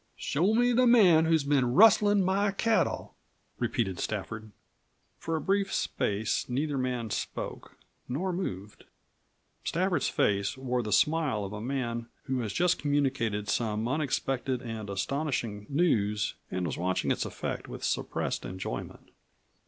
"Show me the man who's been rustlin' my cattle," repeated Stafford. For a brief space neither man spoke nor moved. Stafford's face wore the smile of a man who has just communicated some unexpected and astonishing news and was watching its effect with suppressed enjoyment.